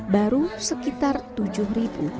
baru sekitar tujuh ribu